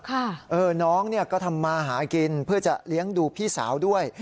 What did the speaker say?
เออน้องเนี่ยก็ทำมาหากินเพื่อจะเลี้ยงดูพี่สาวด้วย